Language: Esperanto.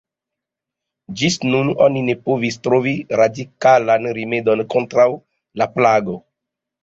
Ĝis nun oni ne povis trovi radikalan rimedon kontraŭ la plago.